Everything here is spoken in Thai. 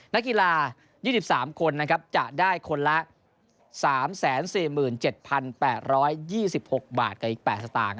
นักกีฬา๒๓คนจะได้คนละ๓๔๗๘๒๖บาทกับอีก๘สตางค์